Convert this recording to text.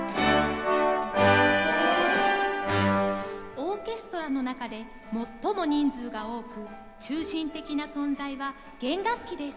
オーケストラの中で最も人数が多く中心的な存在は弦楽器です。